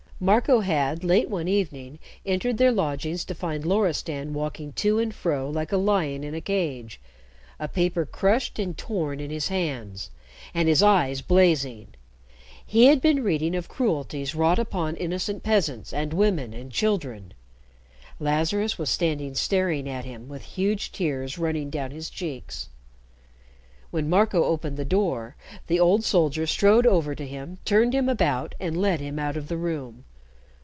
Marco had late one evening entered their lodgings to find Loristan walking to and fro like a lion in a cage, a paper crushed and torn in his hands, and his eyes blazing. He had been reading of cruelties wrought upon innocent peasants and women and children. Lazarus was standing staring at him with huge tears running down his cheeks. When Marco opened the door, the old soldier strode over to him, turned him about, and led him out of the room.